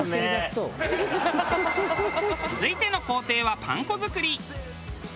続いての工程はパン粉作り。